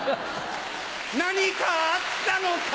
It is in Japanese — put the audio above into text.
何かあったのか？